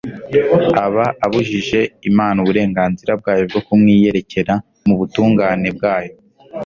aba abujije Imana uburengarizira bwayo bwo kumwiyerekera mu butungane bwayo.